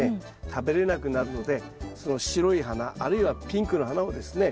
食べれなくなるのでその白い花あるいはピンクの花をですね